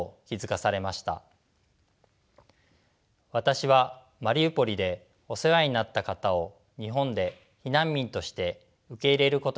私はマリウポリでお世話になった方を日本で避難民として受け入れることにしました。